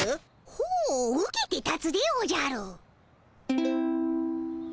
ほう受けて立つでおじゃる。